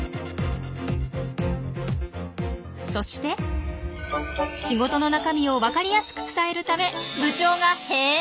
そして仕事の中身を分かりやすく伝えるため部長が変身！